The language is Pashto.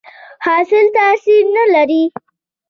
خاص تاثیر نه لري.